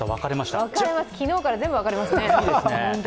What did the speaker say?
昨日から全部分かれますね。